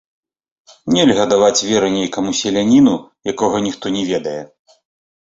Нельга даваць веры нейкаму селяніну, якога ніхто не ведае.